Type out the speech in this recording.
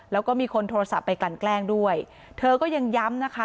แล้วก็มีคนโทรศัพท์ไปกลั่นแกล้งด้วยเธอก็ยังย้ำนะคะ